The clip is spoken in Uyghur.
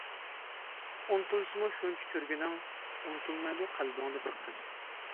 ئۇنتۇلسىمۇ شۇنچە كۆرگىنىڭ، ئۇنتۇلمايدۇ قەلبىڭدە بىر قىز.